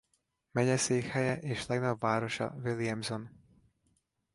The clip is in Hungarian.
Megyeszékhelye és legnagyobb városa Williamson.